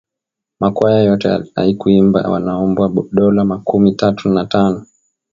Makwaya yote aikuimba wanaombwa dola makumi tatu na tano